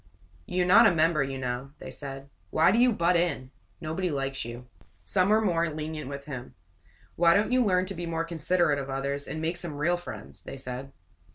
"You're not a member, you know," they said. "Why do you butt in? Nobody likes you." Some were more lenient with him. "Why don't you learn to be more considerate of others, and make some real friends?" they said.